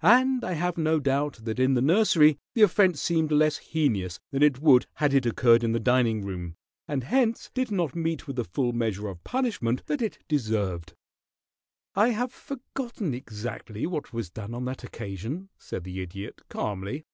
And I have no doubt that in the nursery the offence seemed less heinous than it would had it occurred in the dining room, and hence did not meet with the full measure of punishment that it deserved." "I have forgotten exactly what was done on that occasion," said the Idiot, calmly.